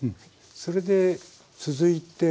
それで続いて。